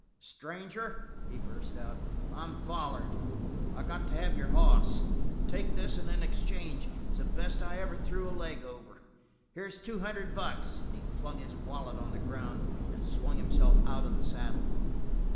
"Stranger," he burst out, "I'm follered. I got to have your hoss. Take this one in exchange; it's the best I ever threw a leg over. Here's two hundred bucks " he flung his wallet on the ground and swung himself out of the saddle.